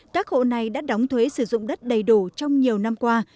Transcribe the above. các hộ này đã đóng thuế sử dụng đất đầy đủ trong nhiều năm qua